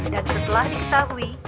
dan setelah diketahui